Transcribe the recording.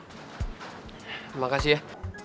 terima kasih ya